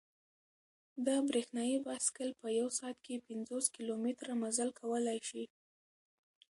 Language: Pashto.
دا برېښنايي بایسکل په یوه ساعت کې پنځوس کیلومتره مزل کولای شي.